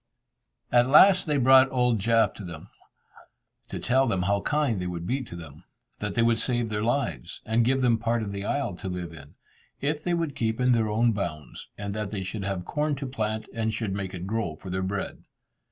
At last they brought old Jaf to them, to tell them how kind they would be to them, that they would save their lives, and give them part of the isle to live in, if they would keep in their own bounds, and that they should have corn to plant, and should make it grow for their bread.